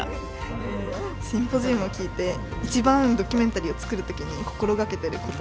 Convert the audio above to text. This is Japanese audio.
シンポジウムを聞いて一番ドキュメンタリーを作る時に心がけてること。